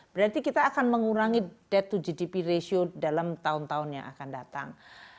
berarti kita akan mengurangi dead to gdp ratio dalam tahun tahun yang akan datang